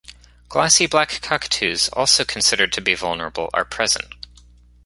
Glossy black cockatoos, also considered to be vulnerable, are present.